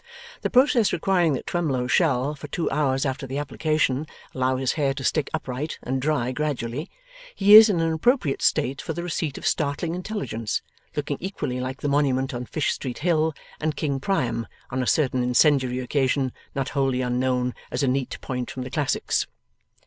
The process requiring that Twemlow shall, for two hours after the application, allow his hair to stick upright and dry gradually, he is in an appropriate state for the receipt of startling intelligence; looking equally like the Monument on Fish Street Hill, and King Priam on a certain incendiary occasion not wholly unknown as a neat point from the classics.